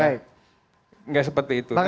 tidak seperti itu